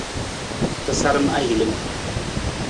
Tasaram ahilim.